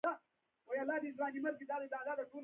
د هغه څه په باب یې فیصله وکړه چې ورکولای یې شوای.